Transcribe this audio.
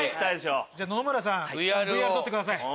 野々村さんＶＲ取ってください。